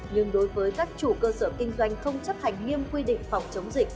nhưng đối với các chủ cơ sở kinh doanh không chấp hành nghiêm quy định phòng chống dịch